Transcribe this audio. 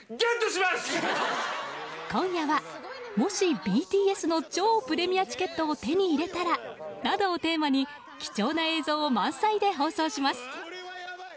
今夜は、もしＢＴＳの超プレミアチケットを手に入れたらなどをテーマに貴重な映像を満載で放送します。